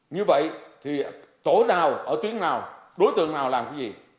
như vậy thì tổ nào ở tuyến nào đối tượng nào làm cái gì